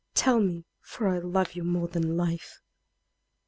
Tell me, for I love you more than life!"